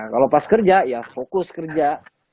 kalau pas kerja ya fokus kerja